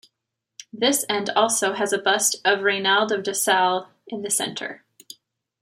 This end also has a bust of Rainald of Dassel in the center.